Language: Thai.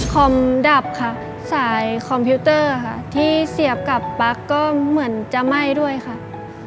คอมดับสายคอมพิวเตอร์ที่เสียบกับปลั๊กก็เหมือนจะไหม้ด้วยครับ